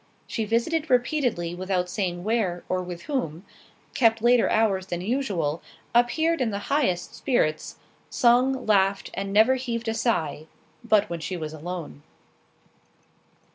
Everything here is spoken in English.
She visited repeatedly without saying where, or with whom—kept later hours than usual—appeared in the highest spirits—sung, laughed, and never heaved a sigh—but when she was alone.